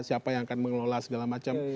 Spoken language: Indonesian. siapa yang akan mengelola segala macam